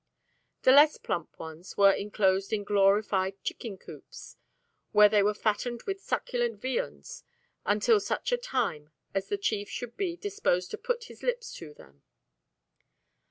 The less plump ones were enclosed in glorified chicken coops, where they were fattened with succulent viands until such a time as the chief should be "disposed to put his lips to them."